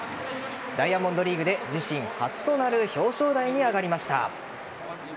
ダイヤモンドリーグで自身初となる表彰台に上がりました。